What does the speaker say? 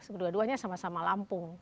kedua duanya sama sama lampung